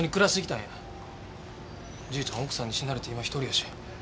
じいちゃん奥さんに死なれて今独りやし。